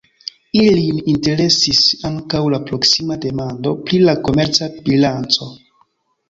Ilin interesis ankaŭ la proksima demando pri la komerca bilanco.